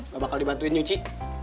awas nggak bakal dibantuin nyuci